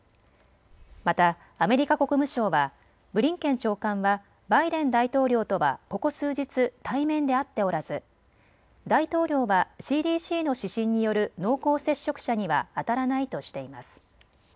またアメリカ国務省はブリンケン長官はバイデン大統領とはここ数日対面で会っておらず大統領はＣＤＣの指針による濃厚接触者にはあたらないとしています。